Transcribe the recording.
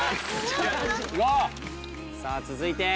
さあ続いて。